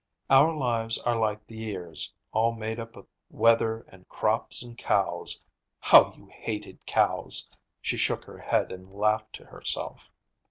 Our lives are like the years, all made up of weather and crops and cows. How you hated cows!" She shook her head and laughed to herself.